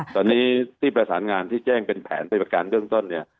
ตอนนี้ที่ประสานงานที่แจ้งเป็นแผนเป็นประการเบื้องต้นเนี่ย